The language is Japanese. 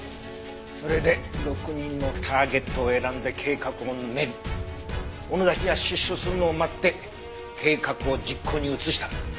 それで６人のターゲットを選んで計画を練り尾野崎が出所するのを待って計画を実行に移した。